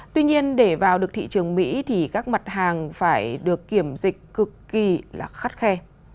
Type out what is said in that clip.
tuy nhiên để vào được thị trường mỹ các mặt hàng phải được kiểm dịch cực kỳ khắt khe